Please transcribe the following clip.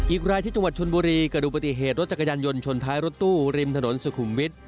อีกรายที่จังหวัดชนบุรีกระดูกปฏิเหตุรถจักรยานยนต์ชนท้ายรถตู้ริมถนนสุขุมวิทย